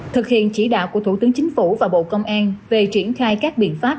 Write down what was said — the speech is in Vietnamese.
thực hiện chỉ đạo của thủ tướng chính phủ và bộ công an về triển khai các biện pháp